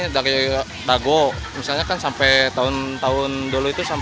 dari bago misalnya kan sampai tahun tahun dulu itu